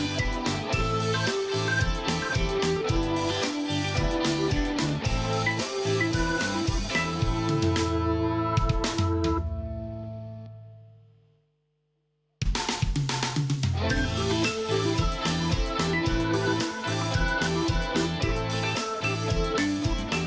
สวัสดีครับ